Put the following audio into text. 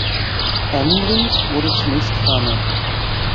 Andrews wurde zunächst Farmer.